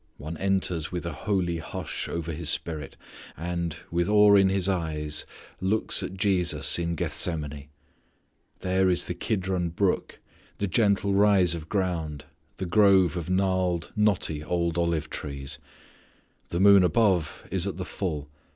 One enters with a holy hush over his spirit, and, with awe in his eyes, looks at Jesus in Gethsemane. There is the Kidron brook, the gentle rise of ground, the grove of gnarled knotty old olive trees. The moon above is at the full.